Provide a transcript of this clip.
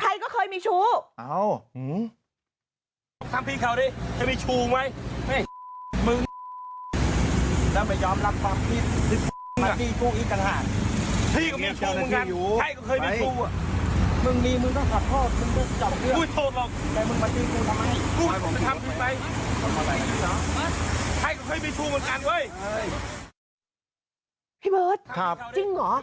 ใครก็เคยมีชู้เหมือนกัน